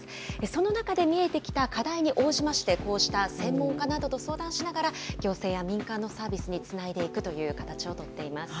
その中で見えてきた課題に応じまして、こうした専門家などと相談しながら、行政や民間のサービスにつないでいくという形を取っています。